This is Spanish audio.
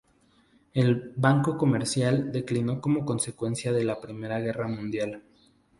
El "Banco Comercial" declinó como consecuencia de la Primera Guerra Mundial.